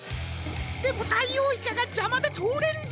でもダイオウイカがじゃまでとおれんぞ。